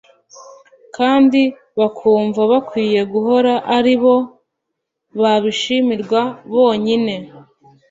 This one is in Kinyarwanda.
kandi bakumva bakwiye guhora ari bo babishimirwa bonyine